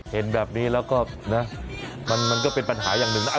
เห็นแบบนี้แล้วก็นะมันก็เป็นปัญหาอย่างหนึ่งนะ